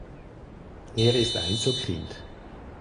Er ist Einzelkind.